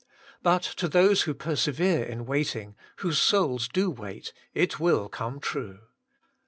But to those who persevere in waiting, whose souls do wait, it will come true.